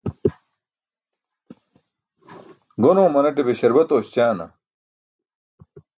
Gon oomanate be śarbat oośćana.